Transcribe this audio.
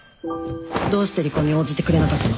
どうして離婚に応じてくれなかったの？